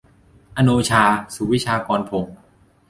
อโนชา สุวิชากรพงศ์